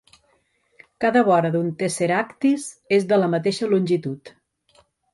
Cada vora d'un tesseractis és de la mateixa longitud.